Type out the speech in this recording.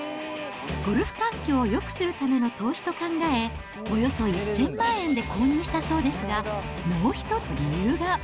ゴルフ環境をよくするための投資と考え、およそ１０００万円で購入したそうですが、もう１つ理由が。